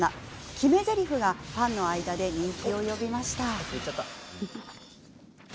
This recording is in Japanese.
決めぜりふがファンの間で人気を呼びました。